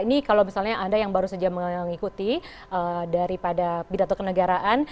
ini kalau misalnya anda yang baru saja mengikuti daripada pidato kenegaraan